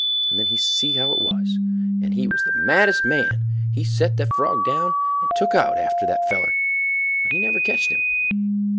And then he see how it was, and he was the maddest man—he set the frog down and took out after that feller, but he never ketched him.